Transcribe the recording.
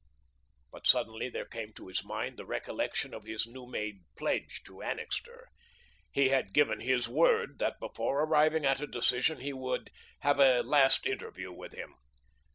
But suddenly there came to his mind the recollection of his new made pledge to Annixter. He had given his word that before arriving at a decision he would have a last interview with him.